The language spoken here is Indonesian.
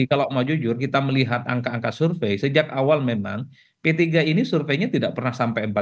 kalau mau jujur kita melihat angka angka survei sejak awal memang p tiga ini surveinya tidak pernah sampai empat belas